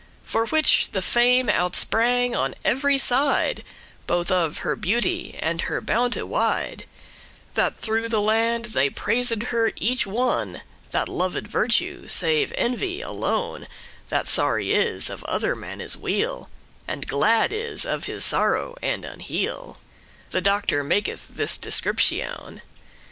For which the fame out sprang on every side Both of her beauty and her bounte* wide: *goodness That through the land they praised her each one That loved virtue, save envy alone, That sorry is of other manne's weal, And glad is of his sorrow and unheal* — *misfortune The Doctor maketh this descriptioun.